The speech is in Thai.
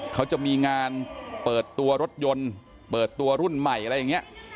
เขาจะมีงานเปิดตัวรถยนต์เปิดตัวรุ่นใหม่อะไรอย่างนี้